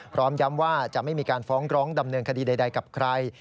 พร้อมย้ำว่าจะไม่มีการฟ้องร้องดำเนินคดีใดกับใคร